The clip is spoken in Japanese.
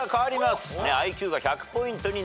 ＩＱが１００ポイントになります。